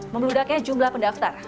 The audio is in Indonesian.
membeludaknya jumlah pendaftar